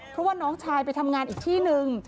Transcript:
เพราะว่าน้องชายไปทำงานอีกที่หนึ่ง